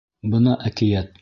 Бына әкиәт!